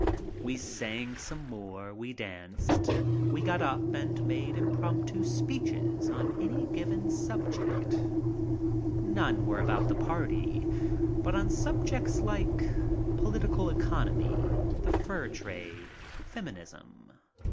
We sang some more, we danced, we got up and made 20 MY TRIP ABROAD impromptu speeches on any given subject. None were about the party, but on subjects like "poHtical economy," "the fur trade," "feminism."